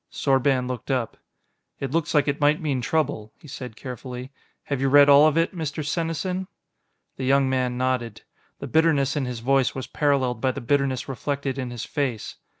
Sorban looked up. "It looks like it might mean trouble," he said carefully. "Have you read all of it, Mr. Senesin?" The young man nodded. The bitterness in his voice was paralleled by the bitterness reflected in his face.